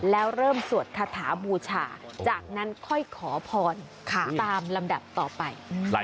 แล้วเริ่มสวดคาถาบูชาจากนั้นค่อยขอพรตามลำดับต่อไป